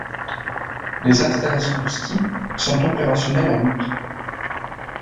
Les installations de ski sont opérationnelles en août.